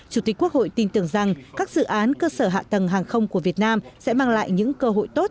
chủ tịch quốc hội tin tưởng rằng các dự án cơ sở hạ tầng hàng không của việt nam sẽ mang lại những cơ hội tốt